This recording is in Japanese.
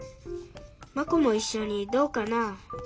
マコもいっしょにどうかな？